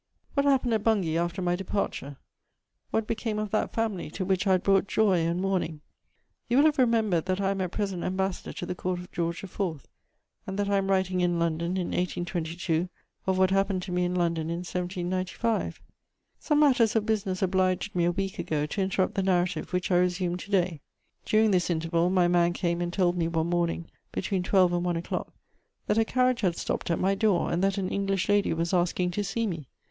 * What happened at Bungay after my departure? What became of that family to which I had brought joy and mourning? You will have remembered that I am at present Ambassador to the Court of George IV., and that I am writing in London, in 1822, of what happened to me in London in 1795. Some matters of business obliged me, a week ago, to interrupt the narrative which I resume to day. During this interval, my man came and told me one morning, between twelve and one o'clock, that a carriage had stopped at my door and that an English lady was asking to see me.